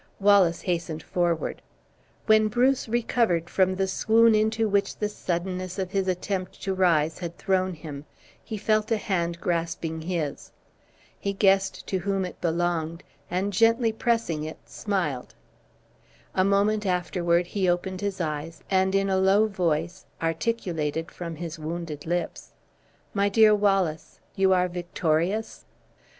Wallace hastened forward. When Bruce recovered from the swoon into which the suddenness of his attempt to rise had thrown him, he felt a hand grasping his; he guessed to whom it belonged, and gently pressed it, smiled; a moment afterward he opened his eyes, and in a low voice, articulated from his wounded lips: "My dear Wallace, you are victorious?"